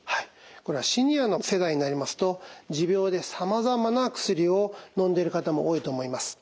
これはシニアの世代になりますと持病でさまざまな薬をのんでいる方も多いと思います。